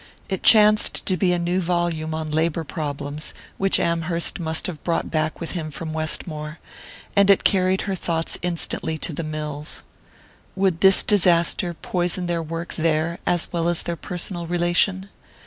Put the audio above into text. It chanced to be a new volume on labour problems, which Amherst must have brought back with him from Westmore; and it carried her thoughts instantly to the mills. Would this disaster poison their work there as well as their personal relation?